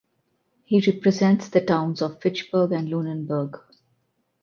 He represents the towns of Fitchburg and Lunenburg.